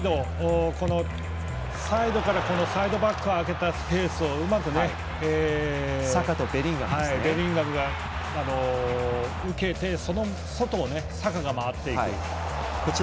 サイドからサイドバックが空けたスペースをうまくベリンガムが受けてその外をサカが回っていく。